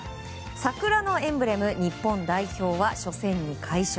桜のエンブレム、日本代表は初戦に快勝。